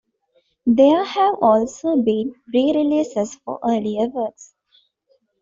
There have also been re-releases for earlier works.